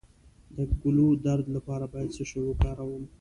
د ګلو درد لپاره باید څه شی وکاروم؟